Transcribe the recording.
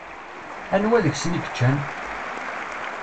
Anwa deg-sen i yeččan?